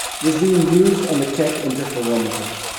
It is being used on the Keck Interferometer.